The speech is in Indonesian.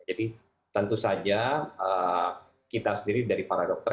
jadi tentu saja kita sendiri dari para dokter